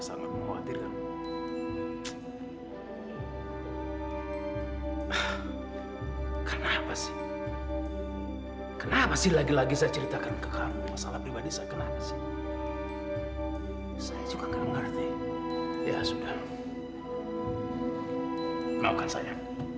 sampai jumpa di video selanjutnya